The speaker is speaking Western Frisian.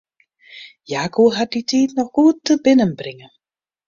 Hja koe har dy tiid noch goed tebinnenbringe.